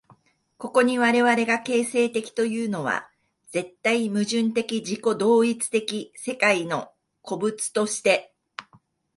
ここに我々が形成的というのは、絶対矛盾的自己同一的世界の個物として、